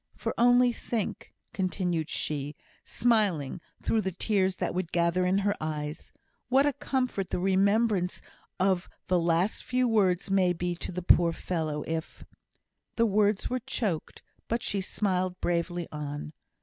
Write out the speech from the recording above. For only think," continued she, smiling through the tears that would gather in her eyes, "what a comfort the remembrance of the last few words may be to the poor fellow, if " The words were choked, but she smiled bravely on.